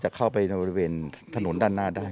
เข้าไปในบริเวณถนนด้านหน้าได้